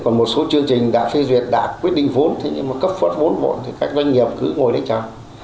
còn một số chương trình đã phê duyệt đã quyết định vốn thế nhưng mà cấp phát vốn bộn thì các doanh nghiệp cứ ngồi đấy chờ